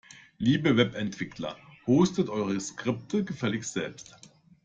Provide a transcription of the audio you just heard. Liebe Webentwickler, hostet eure Skripte gefälligst selbst!